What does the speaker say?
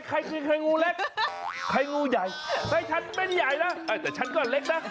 ไข่งูเล็กไข่งูใหญ่ไอ้ฉันไม่ได้ใหญ่แล้วแต่ฉันก็เล็กนะ